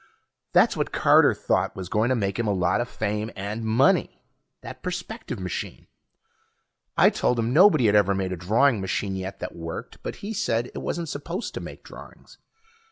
That's what Carter thought was going to make him a lot of fame and money, that perspective machine. I told him nobody'd ever made a drawing machine yet that worked, but he said it wasn't supposed to make drawings.